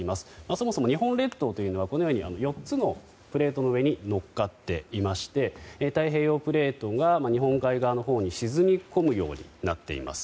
そもそも日本列島というのは４つのプレートの上に乗っかっていまして太平洋プレートが日本海側のほうに沈み込むようになっています。